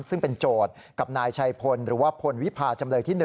ซึ่งเป็นโจทย์กับนายชัยพลหรือว่าพลวิพาจำเลยที่๑